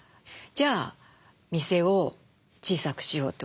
じゃあ店を小さくしようって。